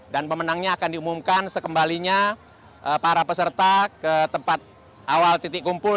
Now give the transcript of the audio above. dan pemenangnya akan diumumkan sekembalinya para peserta ke tempat awal titik kumpul